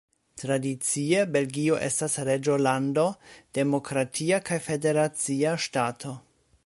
Tradicie Belgio estas Reĝolando, demokratia kaj federacia ŝtato.